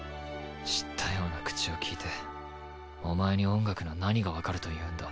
知ったような口を利いてお前に音楽の何がわかるというんだ？